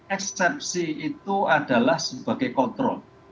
eksepsi itu adalah sebagai kontrol